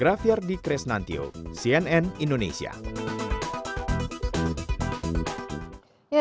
lembaga jasa keuangan di bawah pengawasan ojk dan kelompok usaha startup ojk